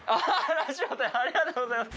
ありがとうございます。